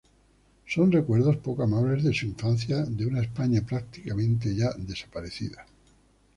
Son recuerdos poco amables de su infancia de una España prácticamente ya desaparecida.